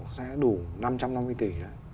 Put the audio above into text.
sẽ đủ năm trăm năm mươi tỷ